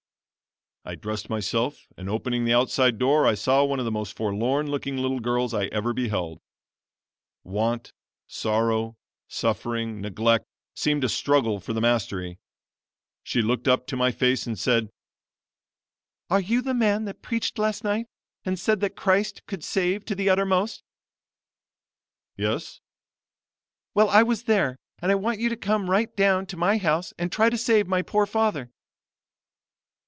"I dressed myself and opening the outside door I saw one of the most forlorn looking little girls I ever beheld. Want, sorrow, suffering, neglect, seemed to struggle for the mastery. She looked up to my face and said: "'Are you the man that preached last night and said that Christ could save to the uttermost?' "'Yes.' "'Well, I was there, and I want you to come right down to my house and try to save my poor father.'